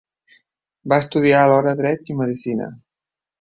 Va estudiar alhora dret i medicina.